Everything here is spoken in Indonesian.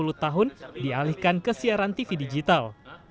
lebih dari enam puluh tahun dialihkan ke siaran tv digital